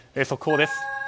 速報です。